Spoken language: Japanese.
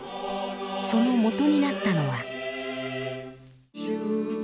そのもとになったのは。